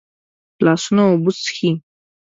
لاسونه اوبه څښي